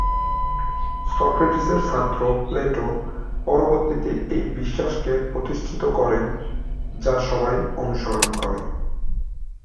সক্রেটিসের ছাত্র প্লেটো পরবর্তীতে এই বিশ্বাসকে প্রতিষ্ঠিত করেন, যা সবাই অনুসরণ করে।